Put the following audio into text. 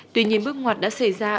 tuy nhiên bước ngoặt đã xảy ra